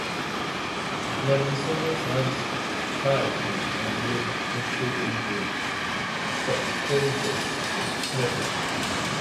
Labrisomids are shy fish and will retreat into crevices if threatened.